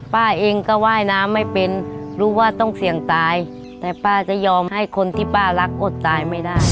ป้าเองก็ว่ายน้ำไม่เป็นรู้ว่าต้องเสี่ยงตายแต่ป้าจะยอมให้คนที่ป้ารักอดตายไม่ได้